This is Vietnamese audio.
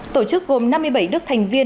tổ chức gồm năm mươi bảy đức thành viên